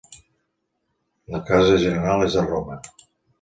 La casa general és a Roma.